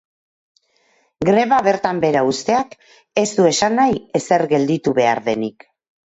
Greba bertan behera uzteak ez du esan nahi ezer gelditu behar denik.